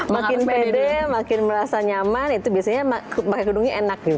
makin pede makin merasa nyaman itu biasanya pakai gedungnya enak gitu